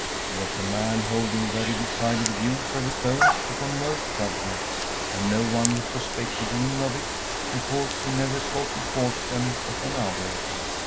He was a man holding very decided views of his own upon most subjects, and no one suspected him of it, because he never sought to force them upon others.